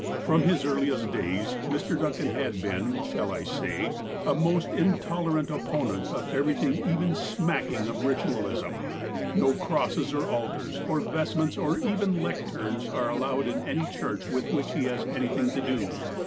From his earliest days, Mr. Duncan has been, shall I say — a most intolerant opponent of everything even smacking of ritualism. No crosses or altars, or vest ments, or even lecterns, are allowed in any church with which he has anything to do.